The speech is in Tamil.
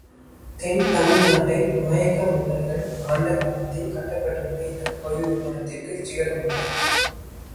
தென் தமிழ் நாட்டை நாயக்க மன்னர்கள் ஆண்ட காலத்தில், கட்டப்பட்டுள்ள இந்தக் கோயில் விமானத்திற்குச் சிகரம் இல்லை.